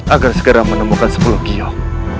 agar segera menemukan sepuluh kiong